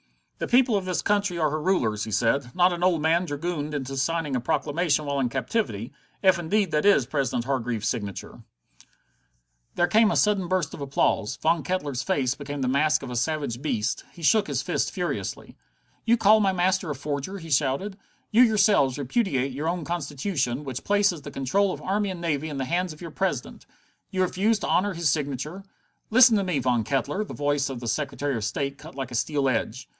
"The people of this country are her rulers," he said, "not an old man dragooned into signing a proclamation while in captivity if indeed that is President Hargreaves's signature." There came a sudden burst of applause. Von Kettler's face became the mask of a savage beast. He shook his fist furiously. "You call my master a forger?" he shouted. "You yourselves repudiate your own Constitution, which places the control of army and navy in the hands of your President? You refuse to honor his signature?" "Listen to me, Mr. Von Kettler!" The voice of the Secretary of State cut like a steel edge.